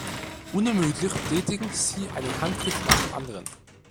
Unermüdlich tätigen sie einen Handgriff nach dem anderen.